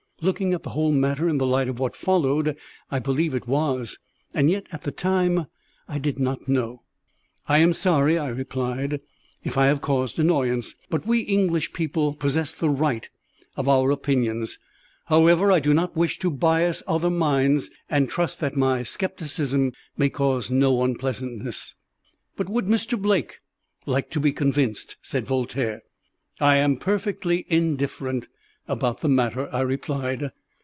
Looking at the whole matter in the light of what followed I believe it was. And yet at the time I did not know. "I am sorry," I replied, "if I have caused annoyance. But we English people possess the right of our opinions. However, I do not wish to bias other minds, and trust that my scepticism may cause no unpleasantness." "But would Mr. Blake like to be convinced?" said Voltaire. "I am perfectly indifferent about the matter," I replied.